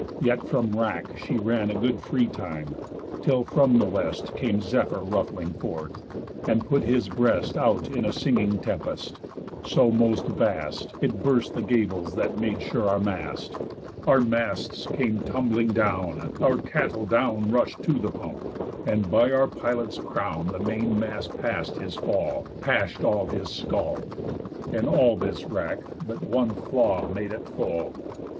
Yet from wrack She ran a good free time, till from the West Came Zephyr ruffling forth, and put his breast Out in a singing tempest, so most vast It burst the gables that made sure our mast. Our masts came tumbling down, our cattle down Rush'd to the pump, and by our pilot's crown The main mast pass'd his fall, pash'd all his skull, And all this wrack but one flaw made at full.